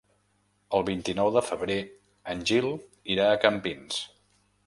El vint-i-nou de febrer en Gil irà a Campins.